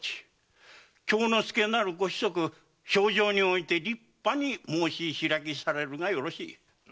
京之介なるご子息評定において立派に申し開きされるがよろしい。